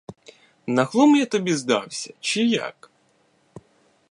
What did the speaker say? На глум я тобі здався, чи як?